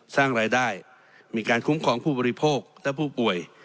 สร้างรายได้มีการคุ้มครองผู้บริโภคและผู้ป่วย